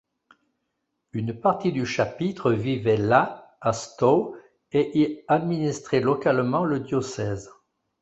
Une partie du chapitre vivait là, à Stow, et y administrait localement le diocèse.